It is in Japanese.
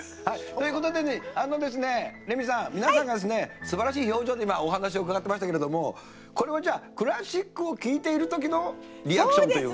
ということでレミさん皆さんがすばらしい表情で今、お話を伺ってましたけどもこれはクラシックを聴いている時のリアクションという。